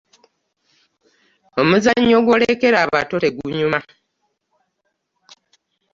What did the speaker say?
Omuzannyo gwolekera abato gunyuma .